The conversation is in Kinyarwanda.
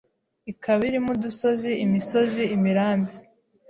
ikaba irimo udusozi, imisozi, imirambi,